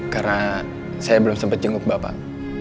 karena saya belum sempet jenguk bapak